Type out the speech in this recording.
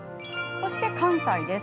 そして関西です。